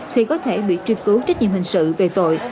thì có thể bị truy cứu trách nhiệm hình sự về tội